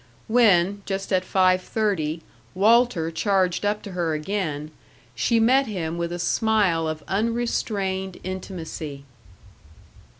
When, just at five thirty, Walter charged up to her again, she met him with a smile of unrestrained intimacy.